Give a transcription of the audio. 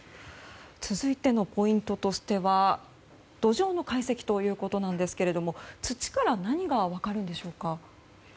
続いてのポイントとしては土壌の解析ということですが土から何が分かるんでしょうか。